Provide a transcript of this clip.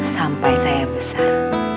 sampai saya besar